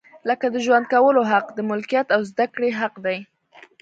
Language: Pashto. لکه د ژوند کولو حق، د ملکیت او زده کړې حق دی.